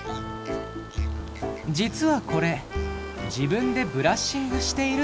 実はこれ自分でブラッシングしているんだそう。